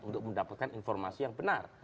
untuk mendapatkan informasi yang benar